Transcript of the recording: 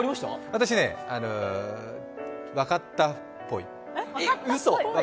私ね、分かったっぽい。